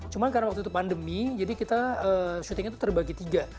cuma karena waktu itu pandemi jadi kita syutingnya itu terbagi tiga